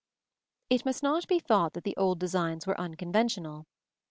] It must not be thought that the old designs were unconventional.